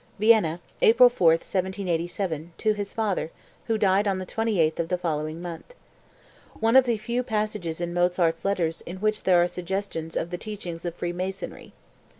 (Vienna, April 4, 1787, to his father, who died on the 28th of the following month. One of the few passages in Mozart's letters in which there are suggestions of the teachings of Freemasonry.